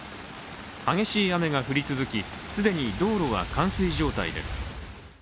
激しい雨が降り続き既に道路は冠水状態です。